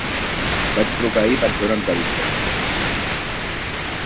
Vaig trucar ahir per fer una entrevista.